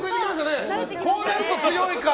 こうなると強いか。